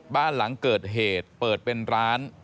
บ้านหลังเกิดเหตุเปิดเป็นร้าน